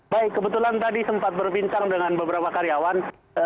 baik kebetulan tadi sempat berbincang dengan beberapa karyawan